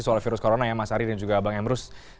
soal virus corona ya mas ari dan juga bang emrus